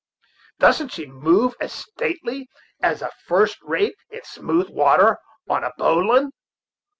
doesn't she move as stately as a first rate in smooth water, on a bowline?